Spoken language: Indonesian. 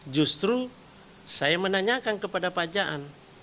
justru saya menanyakan kepada pajaan